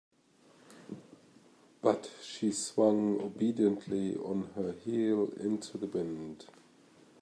But she swung obediently on her heel into the wind.